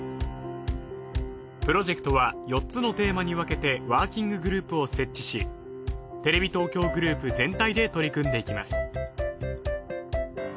プロジェクトは４つのテーマに分けてワーキンググループを設置しテレビ東京グループ全体で取り組んでいきます